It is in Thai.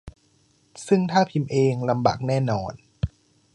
ซึ่งถ้าพิมพ์เอง ลำบากแน่นอน